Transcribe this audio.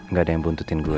gak ada yang buntutin gue